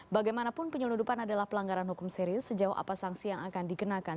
bagaimanapun penyeludupan adalah pelanggaran hukum serius sejauh apa sanksi yang akan dikenakan